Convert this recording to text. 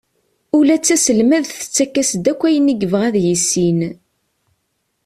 Ula d taselmadt tettak-as-d akk ayen i yebɣa ad yissin.